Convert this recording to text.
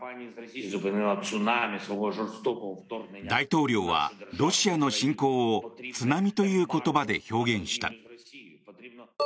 大統領はロシアの侵攻を津波という言葉で表現した。